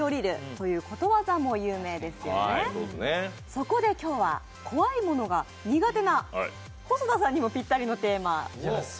そこで今日は怖いものが苦手な細田さんにもぴったりのテーマ。